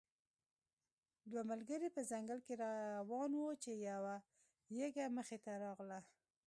دوه ملګري په ځنګل کې روان وو چې یو یږه مخې ته راغله.